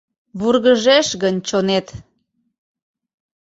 ВУРГЫЖЕШ ГЫН ЧОНЕТ...